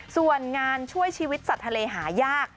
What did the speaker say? ส่วนงานช่วยชีวิตสัตว์ทะเลหายาก